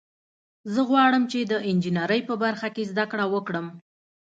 زه غواړم چې د انجینرۍ په برخه کې زده کړه وکړم